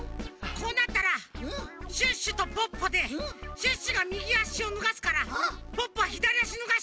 こうなったらシュッシュとポッポでシュッシュがみぎあしをぬがすからポッポはひだりあしぬがして。